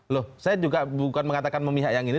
loh saya juga bukan mengatakan memihak yang ini